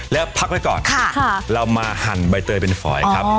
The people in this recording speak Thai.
แล้วพักไว้ก่อนเรามาหั่นใบเตยเป็นฝอยครับ